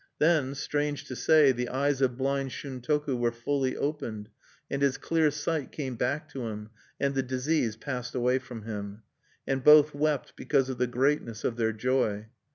Then, strange to say, the eyes of blind Shuntoku were fully opened, and his clear sight came back to him, and the disease passed away from him. And both wept because of the greatness of their joy.